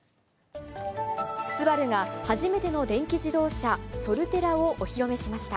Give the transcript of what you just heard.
ＳＵＢＡＲＵが、初めての電気自動車、ソルテラをお披露目しました。